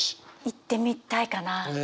行ってみたいかな。